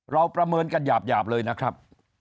ประเมินกันหยาบเลยนะครับ